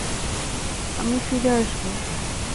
আমি ফিরে আসব!